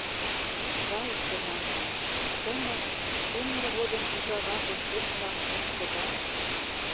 Рай — чонанлан: тымык, умыр водын Ужава "концертшак" мом шога!